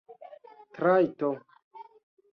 trajto